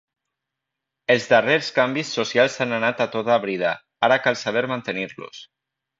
Els darrers canvis socials han anat a tota brida. Ara cal saber mantenir-los.